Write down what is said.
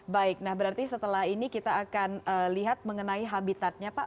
baik nah berarti setelah ini kita akan lihat mengenai habitatnya pak